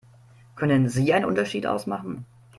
Können Sie einen Unterschied ausmachen?